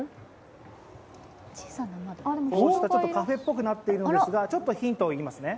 こうしたカフェっぽくなっているんですが、ちょっとヒントを言いますね。